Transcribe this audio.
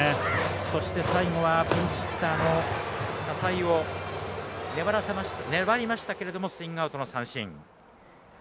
そして最後はピンチヒッターの笹井、粘りましたけれどもスイングアウトの三振。